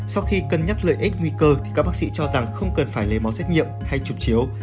sau khi cân nhắc lợi ích nguy cơ thì các bác sĩ cho rằng không cần phải lấy máu xét nghiệm hay chụp chiếu